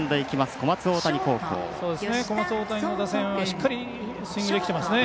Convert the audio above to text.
小松大谷の打線はしっかりスイングできてますね。